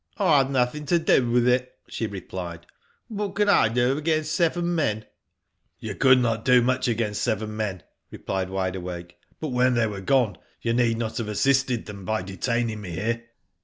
" I had nothing to do with it," she replied *^ What could I do against seven men ?"You could not do much against seven men," replied Wide Awake, " but when they were gone you need not have assisted them by detaining me here.